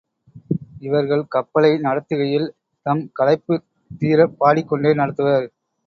இவர்கள் கப்பலை நடத்துகையில் தம் களைப்புத் தீரப் பாடிக் கொண்டே நடத்துவர்.